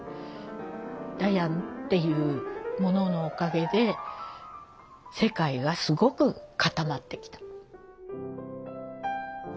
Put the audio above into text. ダヤンっていうもののおかげで世界がすごく固まってきた。